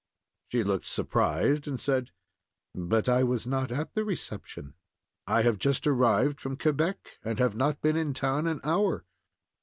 She looked surprised, and said: "But I was not at the reception. I have just arrived from Quebec, and have not been in town an hour."